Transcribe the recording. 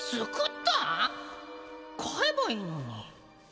買えばいいのに。